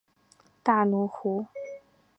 大奴湖。